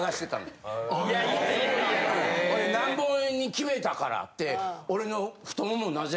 でなんぼに決めたからって。